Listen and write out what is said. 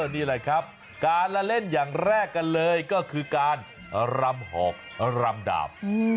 นี่แหละครับการละเล่นอย่างแรกกันเลยก็คือการรำหอกรำดาบ